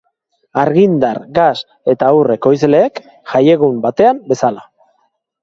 Argindar, gas eta ur ekoizleek jaiegun batean bezala.